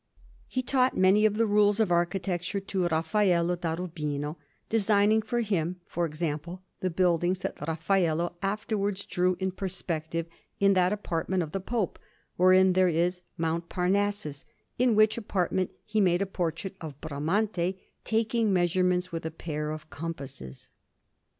He taught many of the rules of architecture to Raffaello da Urbino; designing for him, for example, the buildings that Raffaello afterwards drew in perspective in that apartment of the Pope wherein there is Mount Parnassus; in which apartment he made a portrait of Bramante taking measurements with a pair of compasses.